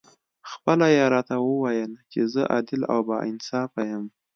خپله یې راته وویل چې زه عادل او با انصافه یم.